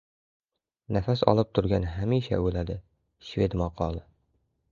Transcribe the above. Nafas olib turgan hamma o‘ladi. Shved maqoli